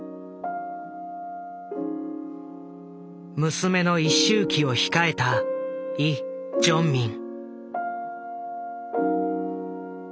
娘の一周忌を控えたイ・ジョンミン。